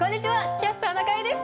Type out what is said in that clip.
「キャスターな会」です。